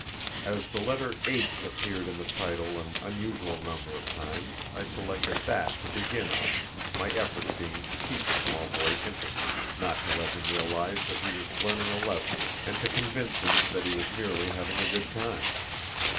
As the letter "H" appeared in the title an unusual number of times, I selected that to begin on, my effort being to keep the small boy interested, not to let him realize that he was learning a lesson, and to convince him that he was merely having a good time.